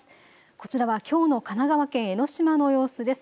こちらはきょうの神奈川県江の島の様子です。